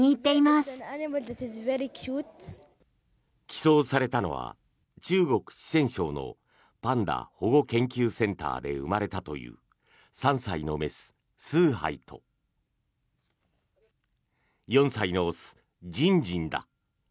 寄贈されたのは中国・四川省のパンダ保護研究センターで生まれたという３歳の雌、スーハイと４歳の雄、ジンジンだ。